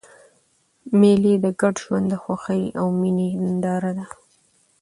مېلې د ګډ ژوند د خوښۍ او میني ننداره ده.